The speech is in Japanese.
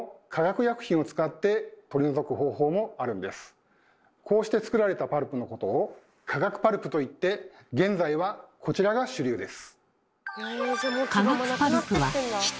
実はこうして作られたパルプのことを「化学パルプ」といって現在はこちらが主流です。